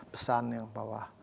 pesan yang bahwa